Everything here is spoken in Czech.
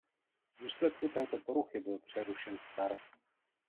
V důsledku této poruchy byl přerušen start.